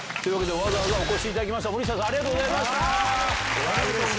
わざわざお越しいただきました森下さんありがとうございます。